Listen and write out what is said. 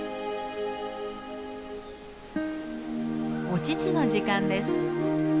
お乳の時間です。